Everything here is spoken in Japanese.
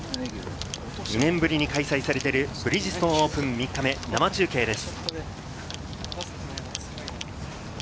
２年ぶりに開催されているブリヂストンオープン３日目、生中継です。